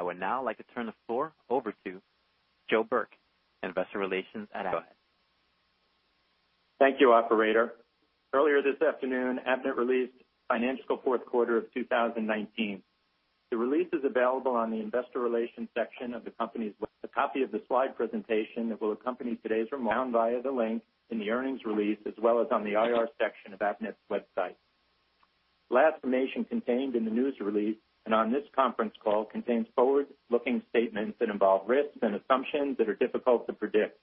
I would now like to turn the floor over to Joseph, Investor Relations at Avnet. Thank you, operator. Earlier this afternoon, Avnet released financial fourth quarter of 2019. The release is available on the Investor Relations section of the company's website. A copy of the slide presentation that will accompany today's remarks via the link in the earnings release, as well as on the IR section of Avnet's website. All information contained in the news release and on this conference call contains forward-looking statements that involve risks and assumptions that are difficult to predict.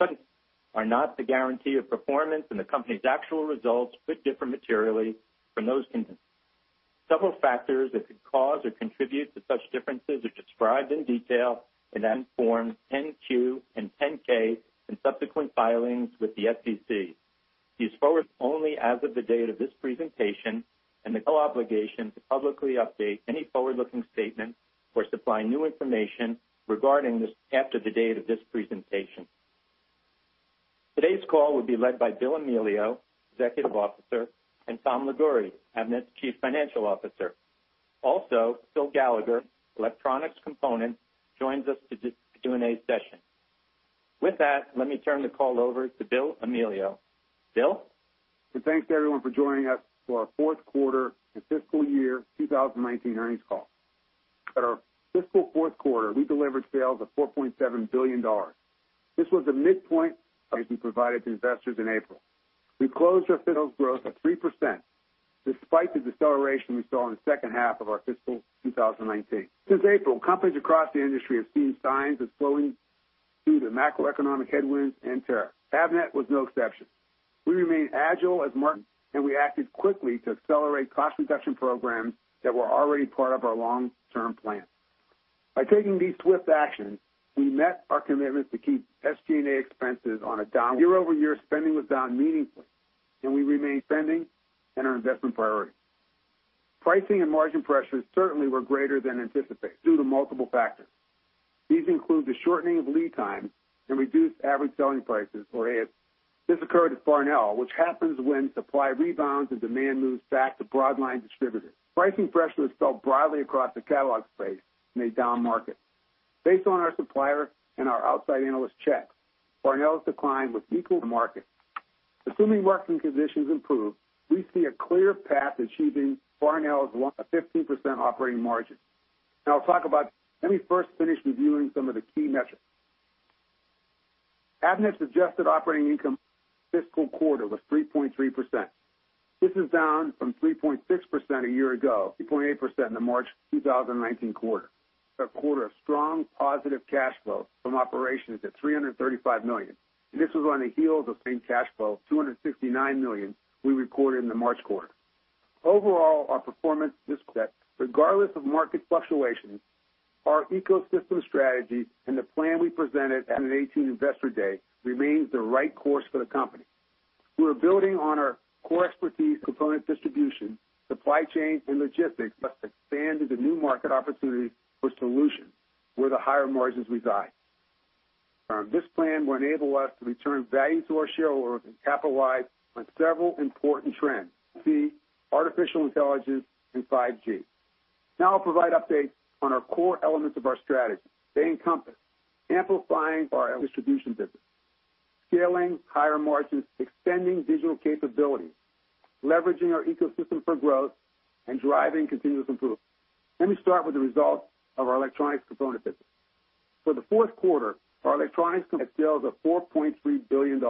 Such are not the guarantee of performance, and the company's actual results could differ materially from those statements. Several factors that could cause or contribute to such differences are described in detail in Forms 10-Q and 10-K, and subsequent filings with the SEC. These forward only as of the date of this presentation and the obligation to publicly update any forward-looking statement or supply new information regarding this after the date of this presentation. Today's call will be led by Bill Amelio, Chief Executive Officer, and Tom Liguori, Avnet's Chief Financial Officer. Also, Phil Gallagher, Electronic Components, joins us to do Q&A session. With that, let me turn the call over to Bill Amelio. Bill? Thanks, everyone, for joining us for our fourth quarter and fiscal year 2019 earnings call. At our fiscal fourth quarter, we delivered sales of $4.7 billion. This was a midpoint we provided to investors in April. We closed our sales growth at 3%, despite the deceleration we saw in the second half of our fiscal 2019. Since April, companies across the industry have seen signs of slowing due to macroeconomic headwinds and tariffs. Avnet was no exception. We remain agile as market, and we acted quickly to accelerate cost reduction programs that were already part of our long-term plan. By taking these swift actions, we met our commitment to keep SG&A expenses on a down. Year-over-year, spending was down meaningfully, and we remain spending and our investment priority. Pricing and margin pressures certainly were greater than anticipated due to multiple factors. These include the shortening of lead time and reduced average selling prices, or ASP. This occurred at Farnell, which happens when supply rebounds and demand moves back to broadline distributors. Pricing pressures felt broadly across the catalog space in a down market. Based on our supplier and our outside analyst checks, Farnell's decline was equal to market. Assuming working conditions improve, we see a clear path to achieving Farnell's 15% operating margin. Now I'll talk about... Let me first finish reviewing some of the key metrics. Avnet's adjusted operating income fiscal quarter was 3.3%. This is down from 3.6% a year ago, to 0.8% in the March 2019 quarter. A quarter of strong, positive cash flow from operations at $335 million, and this was on the heels of paying cash flow of $269 million we recorded in the March quarter. Overall, our performance, regardless of market fluctuations, our ecosystem strategy and the plan we presented at 2018 Investor Day, remains the right course for the company. We are building on our core expertise, component distribution, supply chain and logistics, plus expanded the new market opportunity for solutions where the higher margins reside. This plan will enable us to return value to our shareholders and capitalize on several important trends, AI, artificial intelligence, and 5G. Now I'll provide updates on our core elements of our strategy. They encompass amplifying our distribution business, scaling higher margins, extending digital capabilities, leveraging our ecosystem for growth, and driving continuous improvement. Let me start with the results of our Electronic Components business. For the fourth quarter, our Electronic Components sales of $4.3 billion.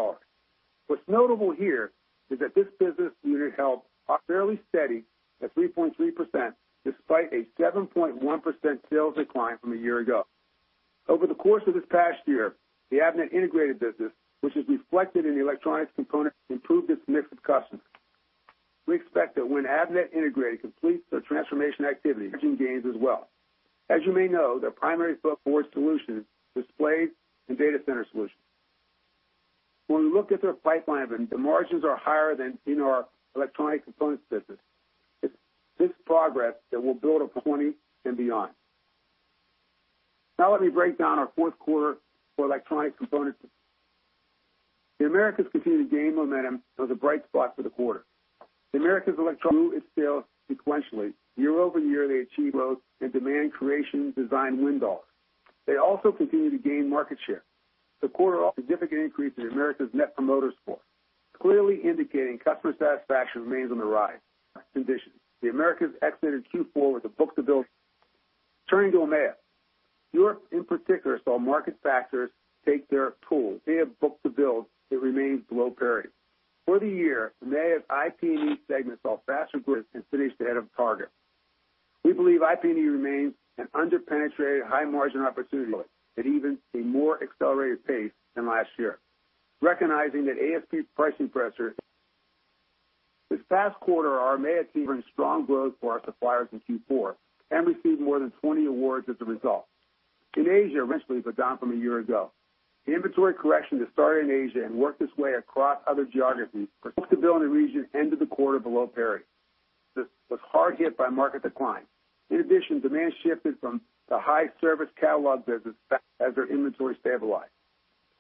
What's notable here is that this business unit held fairly steady at 3.3%, despite a 7.1% sales decline from a year ago. Over the course of this past year, the Avnet Integrated business, which is reflected in the Electronic Components, improved its mix of customers. We expect that when Avnet Integrated completes the transformation activity, margin gains as well. As you may know, their primary focus forward solutions, displays, and data center solutions. When we look at their pipeline, the margins are higher than in our Electronic Components business. It's this progress that will build up 2020 and beyond. Now let me break down our fourth quarter for Electronic Components. The Americas continue to gain momentum as a bright spot for the quarter. The Americas electronics sales sequentially. Year-over-year, they achieve growth and demand creation, design win dollars. They also continue to gain market share. The quarter significant increase in Americas Net Promoter Score, clearly indicating customer satisfaction remains on the rise. Conditions. The Americas exited Q4 with a book-to-bill. Turning to EMEA. Europe, in particular, saw market factors take their toll. They have book-to-bill. It remains below parity. For the year, EMEA IP&E segment saw faster growth and finished ahead of target. We believe IP&E remains an underpenetrated, high-margin opportunity, at even a more accelerated pace than last year. Recognizing that ASP pricing pressure. This past quarter, our EMEA team strong growth for our suppliers in Q4 and received more than 20 awards as a result. In Asia, originally, but down from a year ago. The inventory correction that started in Asia and worked its way across other geographies. Book-to-bill in the region ended the quarter below parity, was hard hit by market decline. In addition, demand shifted from the high service catalog business as their inventory stabilized.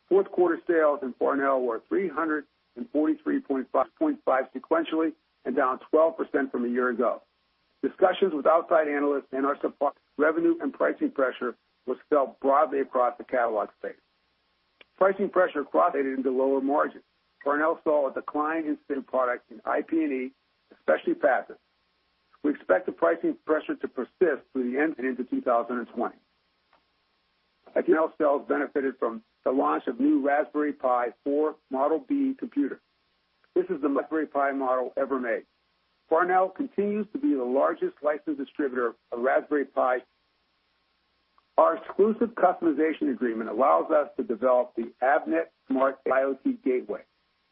Fourth quarter sales in Farnell were $343.5, up 0.5% sequentially, and down 12% from a year ago. Discussions with outside analysts and our suppliers. Revenue and pricing pressure was felt broadly across the catalog space. Pricing pressure correlated into lower margins. Farnell saw a decline in certain products in IP&E, especially passives. We expect the pricing pressure to persist through the end into 2020. Farnell sales benefited from the launch of new Raspberry Pi 4 Model B computer. This is the Raspberry Pi model ever made. Farnell continues to be the largest licensed distributor of Raspberry Pi. Our exclusive customization agreement allows us to develop the Avnet Smart IoT Gateway.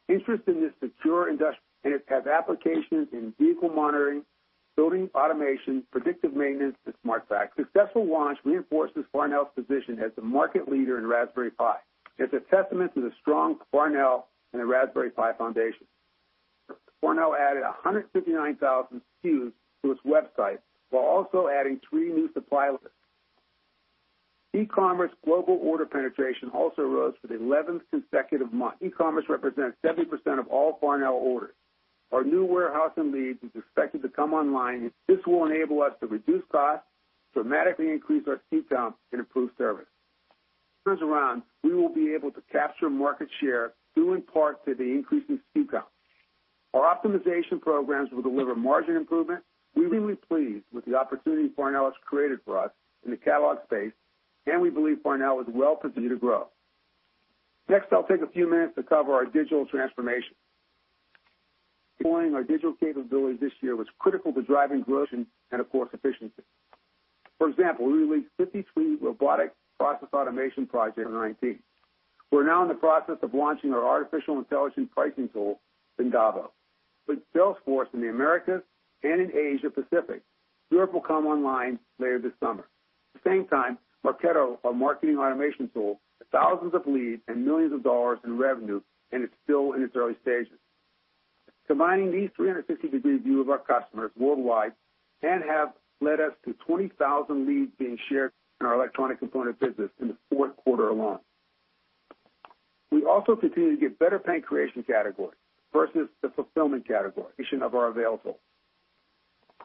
Interest in this secure industry, and it has applications in vehicle monitoring, building automation, predictive maintenance, and smart factory. Successful launch reinforces Farnell's position as the market leader in Raspberry Pi. It's a testament to the strong Farnell and the Raspberry Pi Foundation. Farnell added 159,000 SKUs to its website, while also adding three new suppliers. E-commerce global order penetration also rose for the eleventh consecutive month. E-commerce represents 70% of all Farnell orders. Our new warehouse in Leeds is expected to come online. This will enable us to reduce costs, dramatically increase our SKU count, and improve service. Turns around, we will be able to capture market share, due in part to the increase in SKU count. Our optimization programs will deliver margin improvement. We're really pleased with the opportunity Farnell has created for us in the catalog space, and we believe Farnell is well-positioned to grow. Next, I'll take a few minutes to cover our digital transformation. Deploying our digital capabilities this year was critical to driving growth and, of course, efficiency. For example, we released 53 robotic process automation projects in IT. We're now in the process of launching our artificial intelligence pricing tool, Vendavo, with Salesforce in the Americas and in Asia Pacific. Europe will come online later this summer. At the same time, Marketo, our marketing automation tool, has thousands of leads and millions of dollars in revenue, and it's still in its early stages. Combining these 360-degree view of our customers worldwide and have led us to 20,000 leads being shared in our electronic components business in the fourth quarter alone. We also continue to get better demand creation category versus the fulfillment category of Avnet.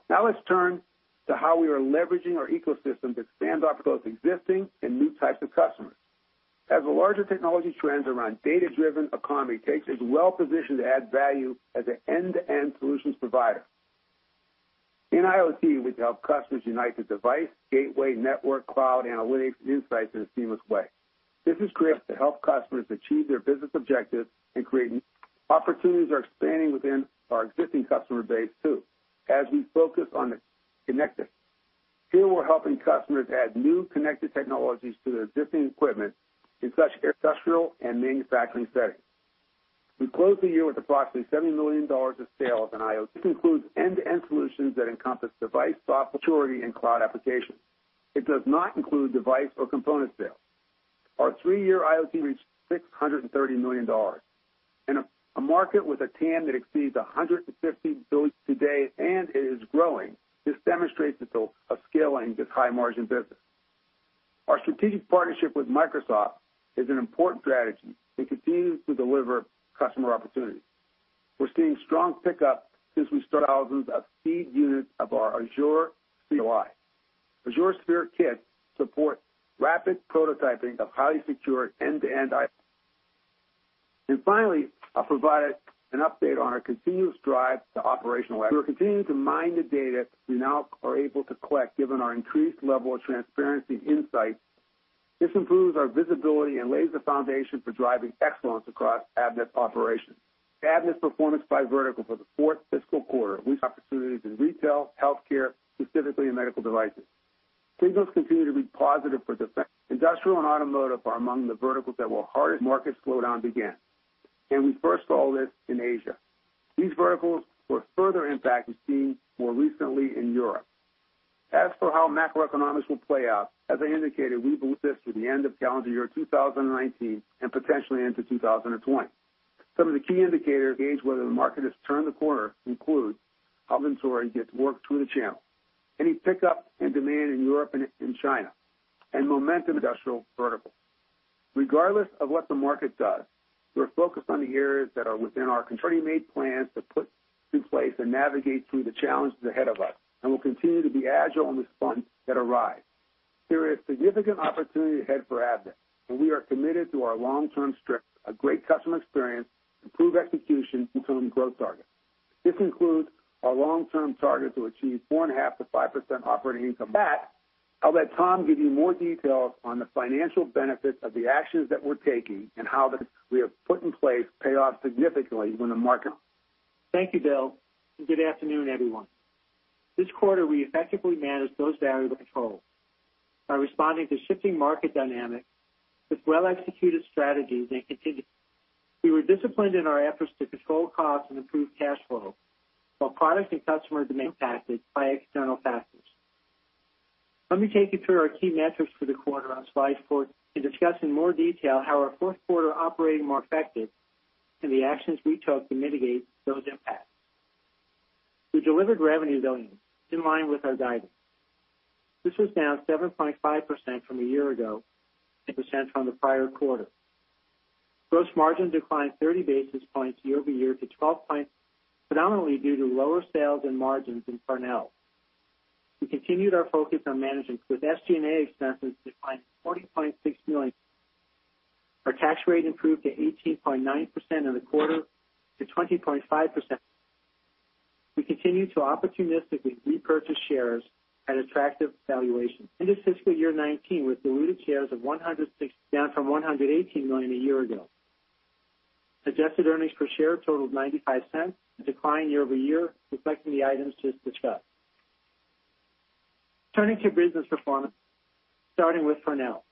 Now, let's turn to how we are leveraging our ecosystem that stands up both existing and new types of customers. As the larger technology trends around data-driven economy takes, is well positioned to add value as an end-to-end solutions provider. In IoT, we help customers unite the device, gateway, network, cloud, analytics, and insights in a seamless way. This is great to help customers achieve their business objectives and create -- opportunities are expanding within our existing customer base, too, as we focus on the connected. Here, we're helping customers add new connected technologies to their existing equipment in such industrial and manufacturing settings. We closed the year with approximately $70 million of sales in IoT. This includes end-to-end solutions that encompass device, software, security, and cloud applications. It does not include device or component sales. Our three-year IoT reached $630 million. In a market with a TAM that exceeds $150 billion today and it is growing, this demonstrates the scale of this high-margin business. Our strategic partnership with Microsoft is an important strategy. It continues to deliver customer opportunities. We're seeing strong pickup since we started thousands of seed units of our Azure Sphere. Azure Sphere Kit support rapid prototyping of highly secured end-to-end IoT And finally, I'll provide an update on our continuous drive to operational excellence. We're continuing to mine the data we now are able to collect, given our increased level of transparency and insight. This improves our visibility and lays the foundation for driving excellence across Avnet operations. Avnet's performance by vertical for the fourth fiscal quarter, we opportunities in retail, healthcare, specifically in medical devices. Signals continue to be positive for defense. Industrial and automotive are among the verticals that were hardest market slowdown began, and we first saw this in Asia. These verticals were further impacted, seen more recently in Europe. As for how macroeconomics will play out, as I indicated, we believe this through the end of calendar year 2019 and potentially into 2020. Some of the key indicators gauge whether the market has turned the corner include: inventory gets worked through the channel, any pickup in demand in Europe and in China, and momentum industrial vertical. Regardless of what the market does, we're focused on the areas that are within our control. We made plans to put in place and navigate through the challenges ahead of us, and we'll continue to be agile on the front that arrive. There is significant opportunity ahead for Avnet, and we are committed to our long-term strength, a great customer experience, improved execution, and growing growth targets. This includes our long-term target to achieve 4.5%-5% operating income. With that, I'll let Tom give you more details on the financial benefits of the actions that we're taking and how we have put in place pay off significantly when the market. Thank you, Bill, and good afternoon, everyone. This quarter, we effectively managed those variables well by responding to shifting market dynamics with well-executed strategies and continued. We were disciplined in our efforts to control costs and improve cash flow, while product and customer demand impacted by external factors. Let me take you through our key metrics for the quarter on slide 4 and discuss in more detail how our fourth quarter operating more affected and the actions we took to mitigate those impacts. We delivered revenue $ billion, in line with our guidance. This was down 7.5% from a year ago, and % from the prior quarter. Gross margin declined 30 basis points year-over-year to 12%, predominantly due to lower sales and margins in Farnell. We continued our focus on managing with SG&A expenses, declining to $40.6 million. Our tax rate improved to 18.9% in the quarter to 20.5%. We continue to opportunistically repurchase shares at attractive valuations. End of fiscal year nineteen, with diluted shares of 160 million, down from 118 million a year ago. Adjusted earnings per share totaled $0.95, a decline year-over-year, reflecting the items just discussed. Turning to business performance, starting with Farnell.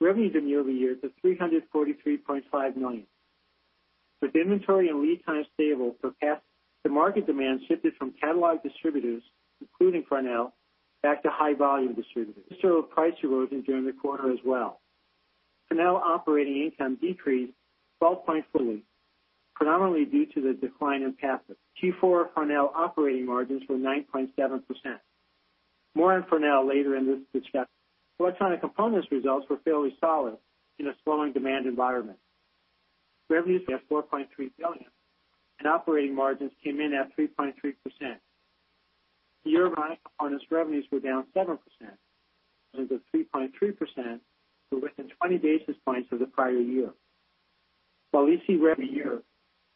Revenues in year-over-year to $343.5 million. With inventory and lead time stable for past, the market demand shifted from catalog distributors, including Farnell, back to high-volume distributors. So price erosion during the quarter as well. Farnell operating income decreased 12.4%, predominantly due to the decline in passives. Q4 Farnell operating margins were 9.7%. More on Farnell later in this discussion. Electronic components results were fairly solid in a slowing demand environment. Revenues at $4.3 billion and operating margins came in at 3.3%. Year on electronic components, revenues were down 7%, and the 3.3% were within 20 basis points of the prior year. While we see revenue year,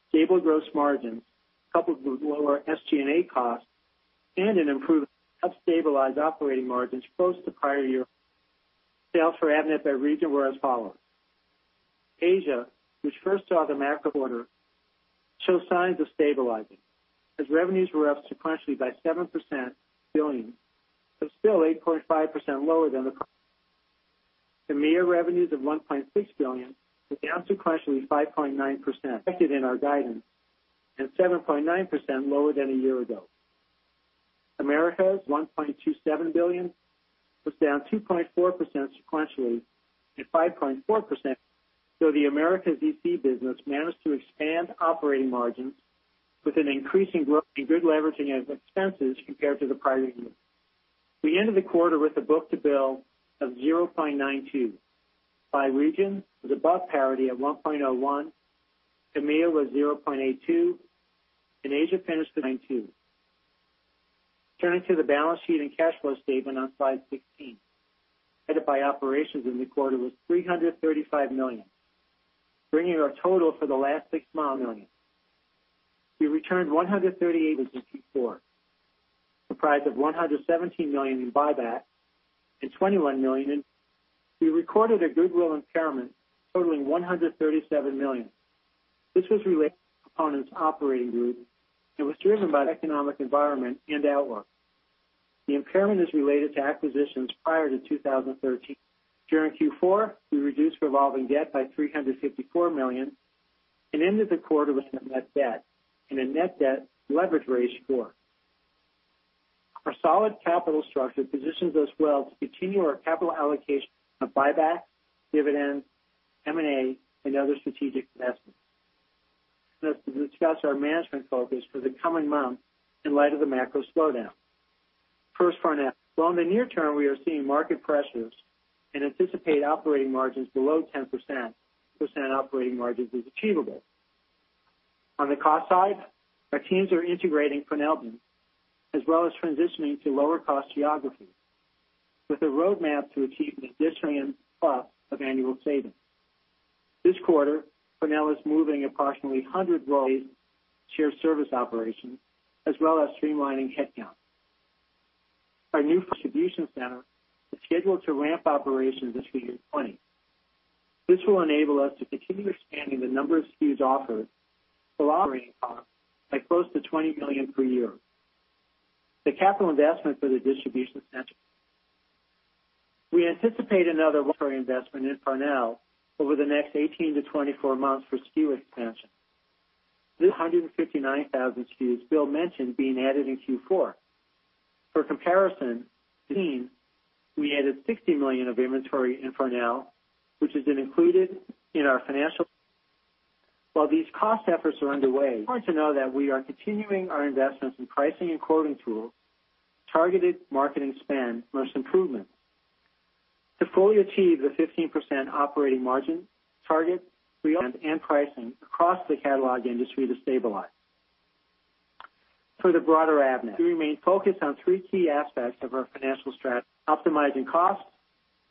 stable gross margins, coupled with lower SG&A costs and an improved, helped stabilize operating margins close to prior year. Sales for Avnet by region were as follows: Asia, which first saw the macro order, show signs of stabilizing, as revenues were up sequentially by 7% to $1 billion, but still 8.5% lower than the. EMEA revenues of $1.6 billion, was down sequentially 5.9% expected in our guidance, and 7.9% lower than a year ago. Americas, $1.27 billion, was down 2.4% sequentially and 5.4%, so the Americas EC business managed to expand operating margins with an increasing growth and good leveraging of expenses compared to the prior year. We ended the quarter with a book-to-bill of 0.92. By region, with above parity at 1.01, EMEA was 0.82, and Asia finished at 0.2. Turning to the balance sheet and cash flow statement on slide 16, [cash flow from] operations in the quarter was $335 million, bringing our total for the last six months million. We returned $138 million in Q4, comprised of $117 million in buyback and $21 million in- We recorded a goodwill impairment totaling $137 million. This was related to Avnet's operating group and was driven by the economic environment and outlook. The impairment is related to acquisitions prior to 2013. During Q4, we reduced revolving debt by $354 million and ended the quarter with a net debt and a net debt leverage ratio of 4. Our solid capital structure positions us well to continue our capital allocation of buyback, dividends, M&A, and other strategic investments. Let's discuss our management focus for the coming months in light of the macro slowdown. First, Farnell. Well, in the near term, we are seeing market pressures and anticipate operating margins below 10%. 10% operating margins is achievable. On the cost side, our teams are integrating Farnell, as well as transitioning to lower cost geographies, with a roadmap to achieve an additional plus of annual savings. This quarter, Farnell is moving approximately 100 roles to our service operations, as well as streamlining headcount. Our new distribution center is scheduled to ramp operations this fiscal year 2020. This will enable us to continue expanding the number of SKUs offered by close to 20 million per year. The capital investment for the distribution center. We anticipate another investment in Farnell over the next 18-24 months for SKU expansion. This 159,000 SKUs Bill mentioned being added in Q4. For comparison, we added $60 million of inventory in Farnell, which has been included in our financial. While these cost efforts are underway, it's important to know that we are continuing our investments in pricing and quoting tools, targeted marketing spend, plus improvements. To fully achieve the 15% operating margin target, we want and pricing across the catalog industry to stabilize. For the broader Avnet, we remain focused on three key aspects of our financial strategy: optimizing costs,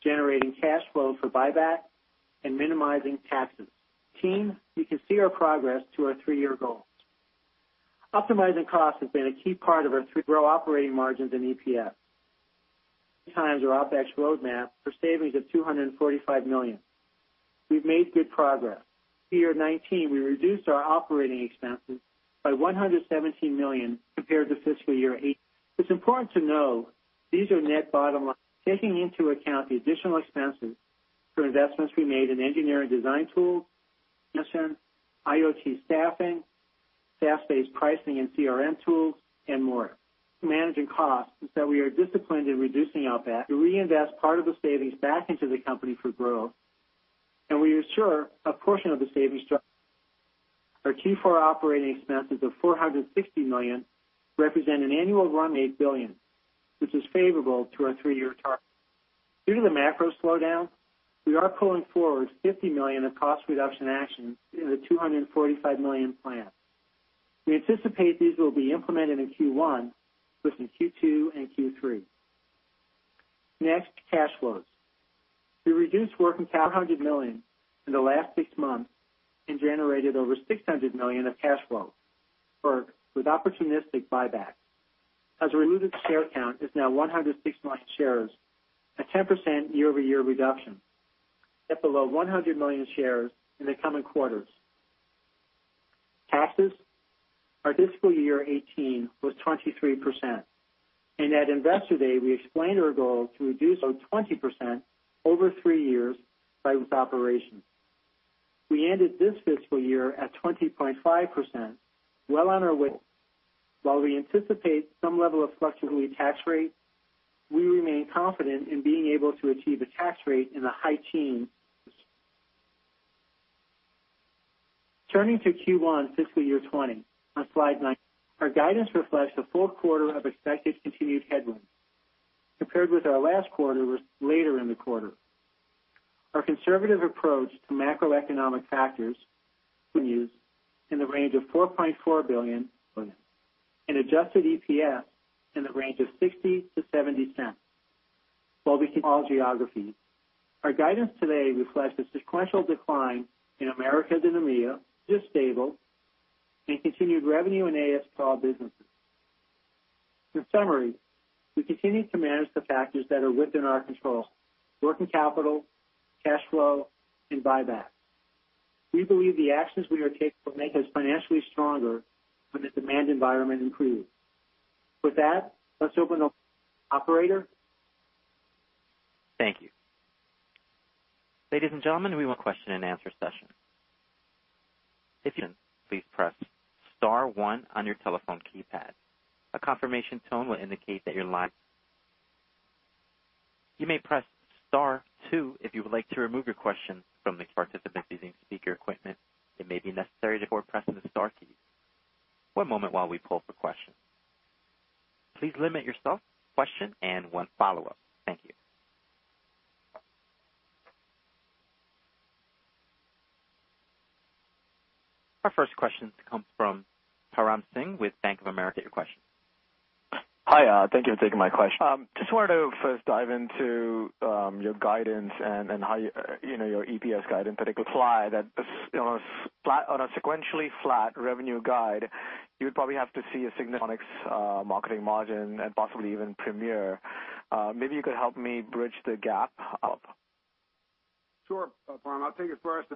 generating cash flow for buyback, and minimizing taxes. Team, you can see our progress to our three-year goals. Optimizing costs has been a key part of our three grow operating margins in EPS. Times our OpEx roadmap for savings of $245 million. We've made good progress. Year 2019, we reduced our operating expenses by $117 million compared to fiscal year 2018. It's important to know these are net bottom line, taking into account the additional expenses for investments we made in engineering, design tools, IoT staffing, SaaS-based pricing and CRM tools, and more. Managing costs is that we are disciplined in reducing OpEx. We reinvest part of the savings back into the company for growth.... and we assure a portion of the savings structure. Our Q4 operating expenses of $460 million represent an annual run rate $8 billion, which is favorable to our three-year target. Due to the macro slowdown, we are pulling forward $50 million of cost reduction actions in the $245 million plan. We anticipate these will be implemented in Q1, within Q2 and Q3. Next, cash flows. We reduced working capital $100 million in the last six months and generated over $600 million of cash flow, or with opportunistic buybacks. As a reduced share count is now 106 million shares, a 10% year-over-year reduction, at below 100 million shares in the coming quarters. Taxes, our fiscal year 2018 was 23%, and at Investor Day, we explained our goal to reduce our 20% over three years by this operation. We ended this fiscal year at 20.5%, well on our way. While we anticipate some level of fluctuating tax rate, we remain confident in being able to achieve a tax rate in the high teens. Turning to Q1 fiscal year 2020, on slide 9, our guidance reflects the fourth quarter of expected continued headwinds. Compared with our last quarter was later in the quarter. Our conservative approach to macroeconomic factors continues in the range of $4.4 billion, and adjusted EPS in the range of $0.60-$0.70. While we see all geographies, our guidance today reflects a sequential decline in Americas and EMEA, just stable, and continued revenue in our Asia businesses. In summary, we continue to manage the factors that are within our control: working capital, cash flow, and buyback. We believe the actions we are taking will make us financially stronger when the demand environment improves. With that, let's open the operator. Thank you. Ladies and gentlemen, we will question and answer session. If you please press star one on your telephone keypad. A confirmation tone will indicate that your line. You may press star two if you would like to remove your question from the participant using speaker equipment. It may be necessary before pressing the star key. One moment while we pull for questions. Please limit yourself question and one follow-up. Thank you. Our first question comes from Param Singh with Bank of America. Your question? Hi, thank you for taking my question. Just wanted to first dive into your guidance and how you, you know, your EPS guidance, in particular, why that is, you know, flat on a sequentially flat revenue guide, you would probably have to see a significant marketing margin and possibly even Premier. Maybe you could help me bridge the gap up. Sure, Param, I'll take it first.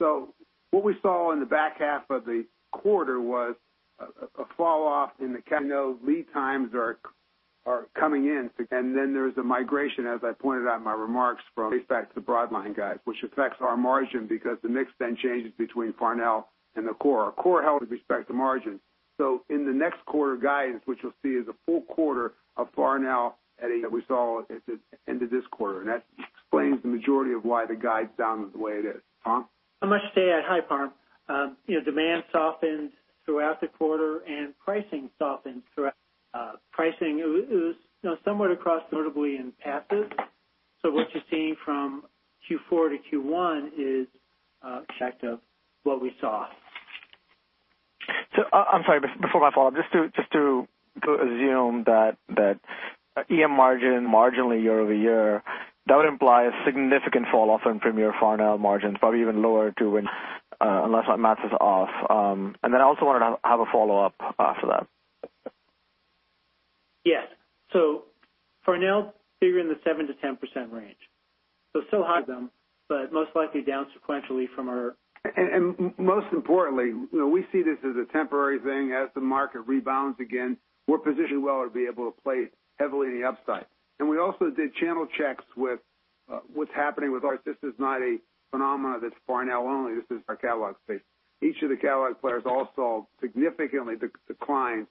So what we saw in the back half of the quarter was a falloff in the kind of lead times are coming in, and then there's a migration, as I pointed out in my remarks, from base back to the broad line guide, which affects our margin because the mix then changes between Farnell and the core. Our core held with respect to margin. So in the next quarter guidance, what you'll see is a full quarter of Farnell that we saw at the end of this quarter, and that explains the majority of why the guide's down the way it is. Tom? I must say hi, Param. You know, demand softened throughout the quarter and pricing softened throughout, pricing it was, you know, somewhat across, notably in passives. So what you're seeing from Q4 to Q1 is, fact of what we saw. So, I'm sorry, before my follow-up, just to assume that EM margin marginally year over year, that would imply a significant falloff in Premier Farnell margins, probably even lower to when, unless my math is off. And then I also wanted to have a follow-up after that. Yes. So Farnell figure in the 7%-10% range, so still high them, but most likely down sequentially from our- And most importantly, you know, we see this as a temporary thing. As the market rebounds again, we're positioned well to be able to play heavily in the upside. And we also did channel checks with what's happening with our... This is not a phenomena that's Farnell only. This is our catalog space. Each of the catalog players also significantly declined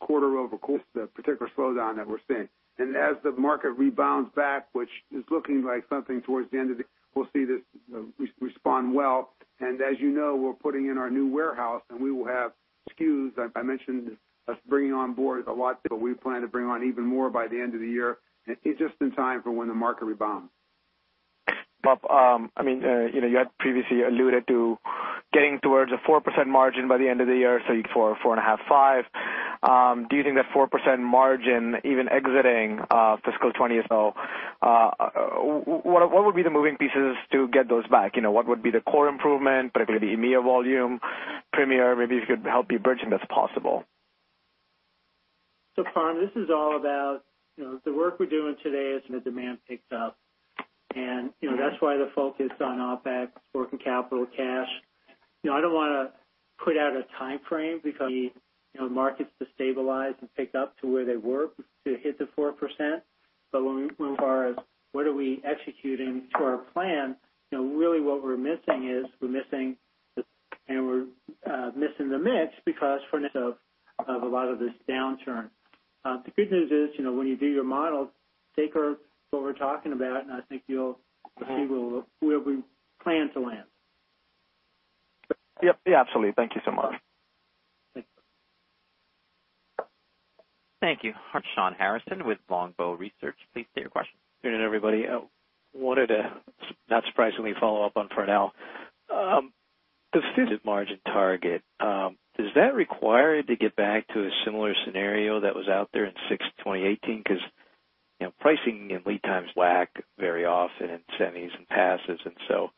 quarter-over-quarter, the particular slowdown that we're seeing. And as the market rebounds back, which is looking like something towards the end of the year, we'll see this respond well, and as you know, we're putting in our new warehouse, and we will have SKUs. I mentioned us bringing on board a lot, but we plan to bring on even more by the end of the year. It's just in time for when the market rebounds. But, I mean, you know, you had previously alluded to getting towards a 4% margin by the end of the year, so 4, 4.5, 5. Do you think that 4% margin even exiting fiscal 2020 as well? What would be the moving pieces to get those back? You know, what would be the core improvement, particularly the EMEA volume, Premier? Maybe you could help me bridge if that's possible. So Param, this is all about, you know, the work we're doing today as the demand picks up. And, you know, that's why the focus on OpEx, working capital, cash. You know, I don't want to put out a time frame because, you know, markets destabilize and pick up to where they were to hit the 4%. But when we, as far as what are we executing to our plan, you know, really what we're missing is the mix because of a lot of this downturn. The good news is, you know, when you do your models, take our, what we're talking about, and I think you'll- You'll see where we, where we plan to land. Yep. Yeah, absolutely. Thank you so much. Thanks. Thank you. Shawn Harrison with Longbow Research, please state your question. Good evening, everybody. I wanted to, not surprisingly, follow up on for now. The margin target, is that required to get back to a similar scenario that was out there in fiscal 2018? Because, you know, pricing and lead times lag very often in semis and passives, and so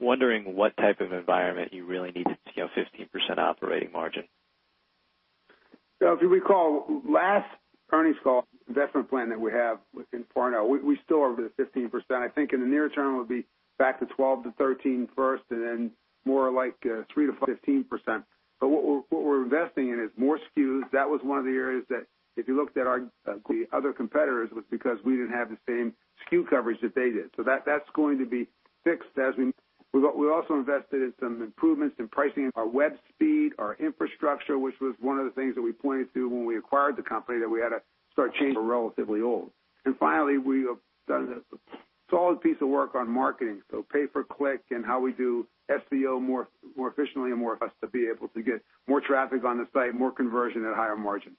wondering what type of environment you really need to see a 15% operating margin. So if you recall last earnings call, investment plan that we have within Farnell, we still are over the 15%. I think in the near term, it will be back to 12-13 first and then more like 3%-15%. But what we're investing in is more SKUs. That was one of the areas that, if you looked at our other competitors, was because we didn't have the same SKU coverage that they did. So that's going to be fixed as we also invested in some improvements in pricing, our web speed, our infrastructure, which was one of the things that we pointed to when we acquired the company, that we had to start changing, were relatively old. Finally, we have done a solid piece of work on marketing, so pay per click and how we do SEO more, more efficiently, enabling us to be able to get more traffic on the site, more conversion at higher margin.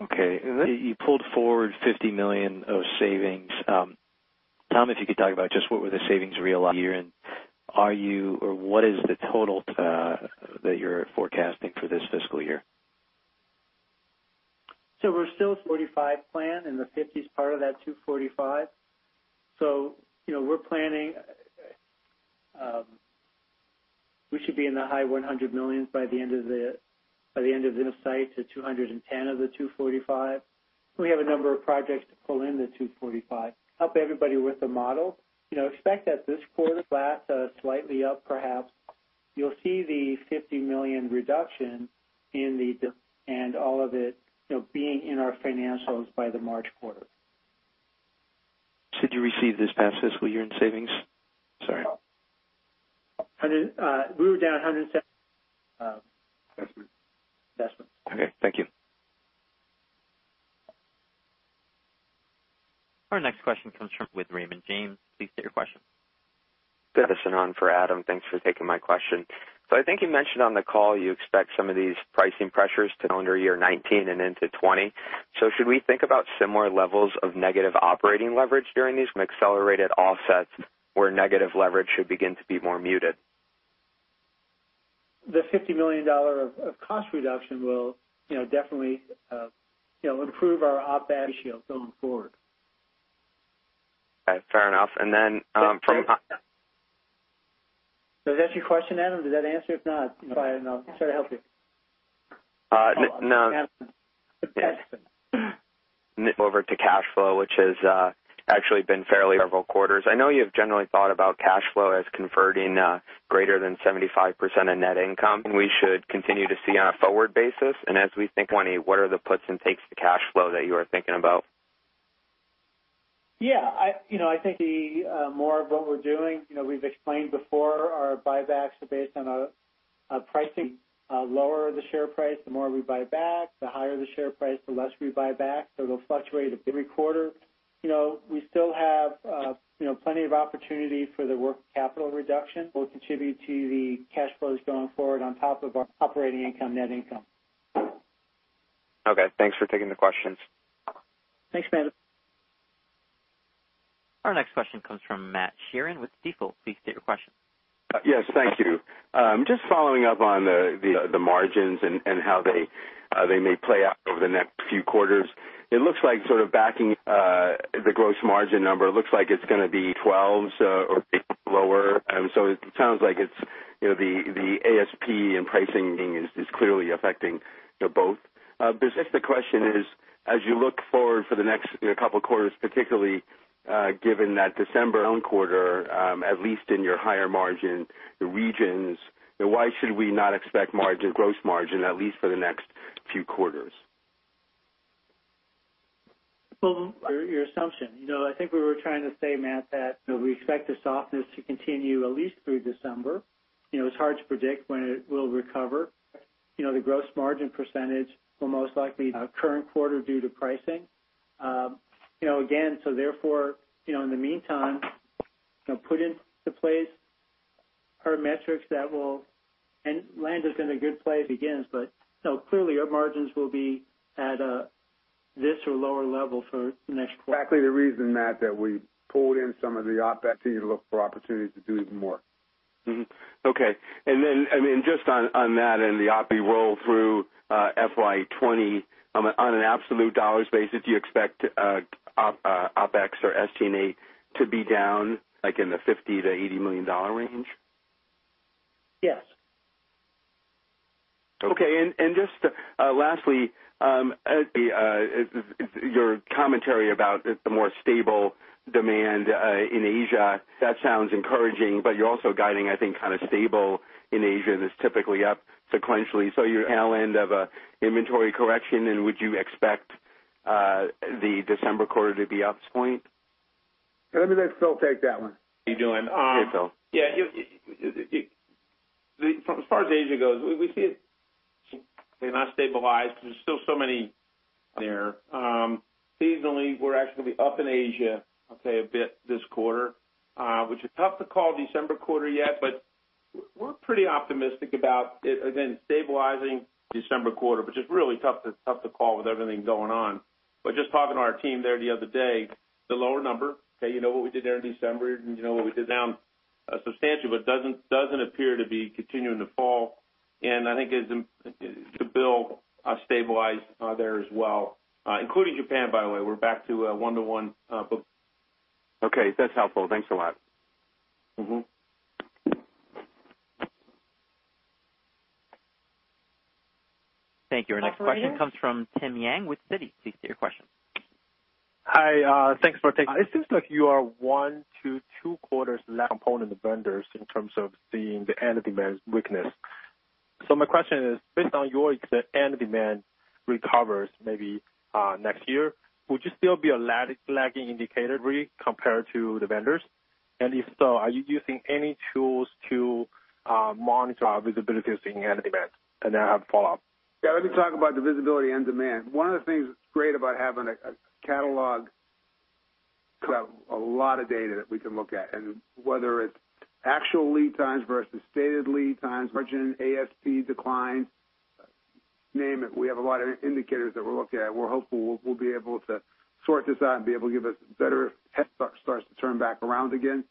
Okay, and then you pulled forward $50 million of savings. Tom, if you could talk about just what were the savings realized year, and are you or what is the total that you're forecasting for this fiscal year? We're still 45 plan in the 50s, part of that 245. You know, we're planning, we should be in the high $100 million by the end of the, by the end of this site to $210 million of the $245 million. We have a number of projects to pull in the $245 million. Help everybody with the model. You know, expect that this quarter flat, slightly up perhaps. You'll see the $50 million reduction in the, and all of it, you know, being in our financials by the March quarter. Should you receive this past fiscal year in savings? Sorry. We were down 107 in investment. Okay, thank you. Our next question comes from with Raymond James. Please state your question. This is on for Adam. Thanks for taking my question. So I think you mentioned on the call, you expect some of these pricing pressures to under 2019 and into 2020. So should we think about similar levels of negative operating leverage during these accelerated offsets, where negative leverage should begin to be more muted? The $50 million of cost reduction will, you know, definitely, you know, improve our OpEx going forward. Okay, fair enough. And then, from- Does that answer your question, Adam? Did that answer? If not, I'll try to help you. Uh, no. Adam. Over to cash flow, which has actually been fairly several quarters. I know you have generally thought about cash flow as converting greater than 75% of net income, and we should continue to see on a forward basis. And as we think 20, what are the puts and takes to cash flow that you are thinking about? Yeah, I, you know, I think the more of what we're doing, you know, we've explained before, our buybacks are based on a pricing, lower the share price, the more we buy back, the higher the share price, the less we buy back. So it'll fluctuate every quarter. You know, we still have, you know, plenty of opportunity for the working capital reduction. We'll contribute to the cash flows going forward on top of our operating income, net income. Okay, thanks for taking the questions. Thanks, Adam. Our next question comes from Matt Sheerin with Stifel. Please state your question. Yes, thank you. Just following up on the margins and how they may play out over the next few quarters. It looks like sort of backing the gross margin number. It looks like it's going to be 12s or lower. So it sounds like it's, you know, the ASP and pricing is clearly affecting, you know, both. But I guess the question is, as you look forward for the next, you know, couple quarters, particularly, given that December quarter, at least in your higher margin regions, why should we not expect margin, gross margin, at least for the next few quarters? Well, your assumption. You know, I think we were trying to say, Matt, that we expect the softness to continue at least through December. You know, it's hard to predict when it will recover. You know, the gross margin percentage will most likely our current quarter due to pricing. You know, again, so therefore, you know, put into place our metrics that will... And land is in a good place again, but clearly, our margins will be at a, this or lower level for the next quarter. Exactly the reason, Matt, that we pulled in some of the OpEx to look for opportunities to do even more. Okay. And then, I mean, just on that and the OpEx roll through, FY 2020, on an absolute dollar basis, do you expect OpEx or SG&A to be down, like in the $50 million-$80 million range? Yes. Okay. And just lastly, your commentary about the more stable demand in Asia, that sounds encouraging, but you're also guiding, I think, kind of stable in Asia, and it's typically up sequentially. So you're tail end of a inventory correction, and would you expect the December quarter to be up this point?... Let me let Phil take that one. How you doing? Hey, Phil. Yeah, from as far as Asia goes, we see it. They're not stabilized. There's still so many there. Seasonally, we're actually up in Asia, okay, a bit this quarter, which is tough to call December quarter yet, but we're pretty optimistic about it, again, stabilizing December quarter, which is really tough to call with everything going on. But just talking to our team there the other day, the lower number, okay, you know what we did there in December, and you know what we did down substantially, but doesn't appear to be continuing to fall. And I think it's to Bill stabilized there as well, including Japan, by the way, we're back to one to one, but- Okay, that's helpful. Thanks a lot. Thank you. Our next question comes from Tim Yang with Citi. Please state your question. Hi, thanks for taking. It seems like you are one-to-two quarters component vendors in terms of seeing the end demand weakness. So my question is, based on your end demand recovers maybe next year, would you still be a lagging indicator compared to the vendors? And if so, are you using any tools to monitor our visibility into end demand? And then I have a follow-up. Yeah, let me talk about the visibility and demand. One of the things that's great about having a, a catalog, so a lot of data that we can look at, and whether it's actual lead times versus stated lead times, margin, ASP decline, name it, we have a lot of indicators that we're looking at. We're hopeful we'll, we'll be able to sort this out and be able to give us better headstart, starts to turn back around again.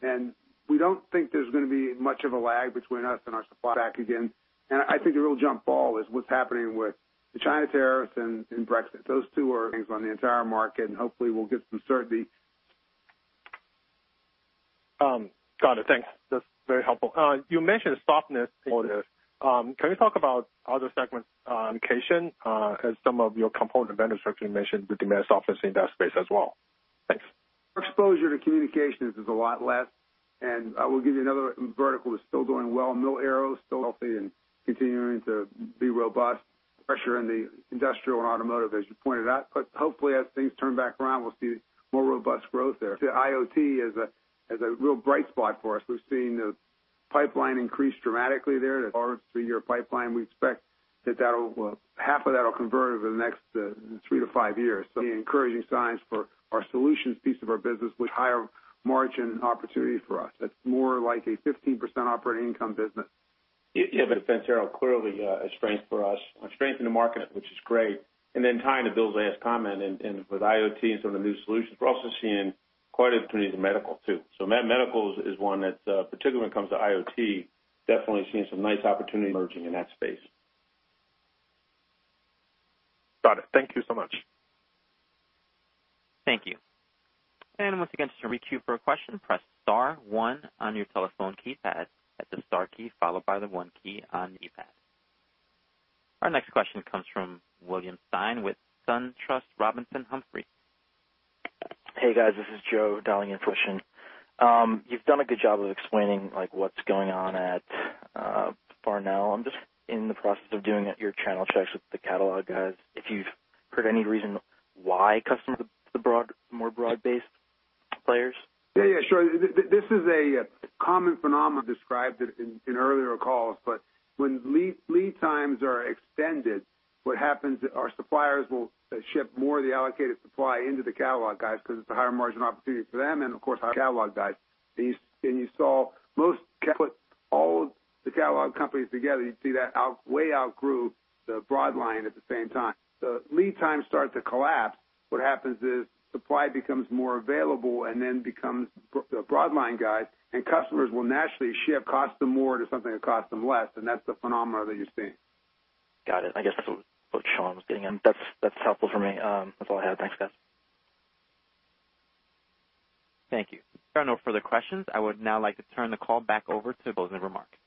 And we don't think there's going to be much of a lag between us and our supply base again. And I think the real jump ball is what's happening with the China tariffs and, and Brexit. Those two are things on the entire market, and hopefully we'll get some certainty. Got it. Thanks. That's very helpful. You mentioned softness for this. Can you talk about other segments, communication, as some of your component vendors actually mentioned the demand softness in that space as well? Thanks. Our exposure to communications is a lot less, and I will give you another vertical that's still doing well. Mil-Aero is still healthy and continuing to be robust. Pressure in the industrial and automotive, as you pointed out, but hopefully, as things turn back around, we'll see more robust growth there. The IoT is a, is a real bright spot for us. We've seen the pipeline increase dramatically there. Our three-year pipeline, we expect that that'll, half of that'll convert over the next, three to five years. So the encouraging signs for our solutions piece of our business with higher margin opportunity for us, that's more like a 15% operating income business. Yeah, but defense, Tim or However, clearly a strength for us, a strength in the market, which is great. And then tying to Bill's last comment and with IoT and some of the new solutions, we're also seeing quite a opportunity in medical, too. So medicals is one that, particularly when it comes to IoT, definitely seeing some nice opportunity emerging in that space. Got it. Thank you so much. Thank you. And once again, just to cue for a question, press star one on your telephone keypad, that's the star key, followed by the one key on the keypad. Our next question comes from William Stein with SunTrust Robinson Humphrey. Hey, guys, this is Joe Burke dialing in for William Stein. You've done a good job of explaining, like, what's going on at Farnell. I'm just in the process of doing your channel checks with the catalog guys. If you've heard any reason why customers, the broad, more broad-based players? Yeah, yeah, sure. This is a common phenomenon described in earlier calls. But when lead times are extended, what happens is our suppliers will ship more of the allocated supply into the catalog guys because it's a higher margin opportunity for them, and of course, our catalog guys. And you saw most put all of the catalog companies together, you see that outgrew the broad line at the same time. The lead times start to collapse, what happens is supply becomes more available and then becomes the broad line guys, and customers will naturally shift costs them more to something that cost them less. And that's the phenomenon that you're seeing. Got it. I guess that's what Sean was getting in. That's, that's helpful for me. That's all I have. Thanks, guys. Thank you. There are no further questions. I would now like to turn the call back over to Bill for remarks.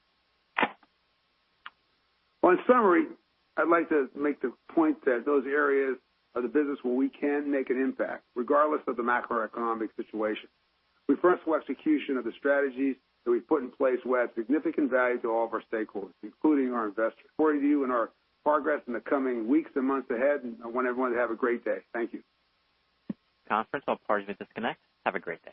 Well, in summary, I'd like to make the point that those areas of the business where we can make an impact, regardless of the macroeconomic situation. We're first to execution of the strategies that we put in place. We add significant value to all of our stakeholders, including our investors. Looking forward to you and our progress in the coming weeks and months ahead, and I want everyone to have a great day. Thank you. Conference, all parties may disconnect. Have a great day.